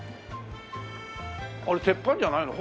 あれ鉄板じゃないの？